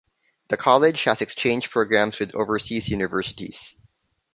The College has exchange programs with overseas universities.